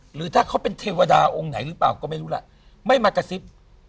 หรือถ้าเขาเป็นเทวดาองค์ไหนหรือเปล่าก็ไม่รู้ล่ะไม่มากระซิบ